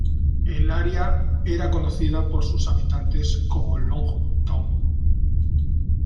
El área era conocida por sus habitantes como Log Town.